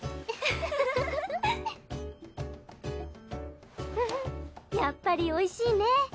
ンフッやっぱりおいしいね。